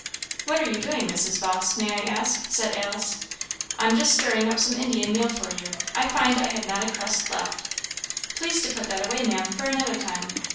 "What are you doing, Mrs. Vawse, may I ask?" said Alice. "I'm just stirring up some Indian meal for you; I find I have not but a crust left." "Please to put that away, Maam, for another time.